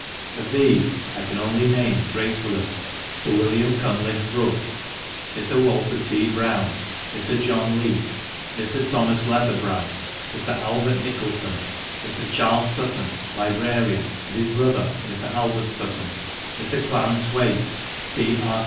Of these I can only name gratefully, Sir William Cunliffe Brookes, Mr. Walter T. Browne, Mr. John Lea, Mr. Thomas Letherbrow, Mr. Albert Nicholson, Mr. Chas. Sutton, librarian, and his brother, Mr. Albert Sutton, Mr. Clarence Whaite, P.R.